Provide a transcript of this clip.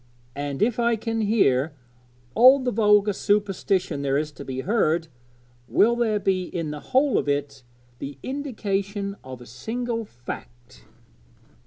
And if I can hear all the vulgar superstition there is to be heard, will there be in the whole of it the indication of a single fact?'